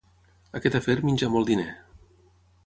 Aquest afer menja molt diner.